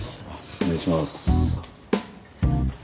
お願いします。